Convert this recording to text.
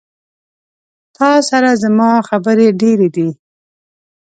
تا سره زما خبري ډيري دي